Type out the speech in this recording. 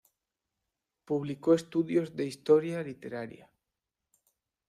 Publicó estudios de historia literaria.